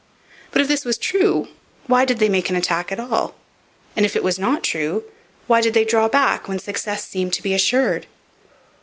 But, if this was true, why did they make an attack at all; and, if it was not true, why did they draw back when success seemed to be assured?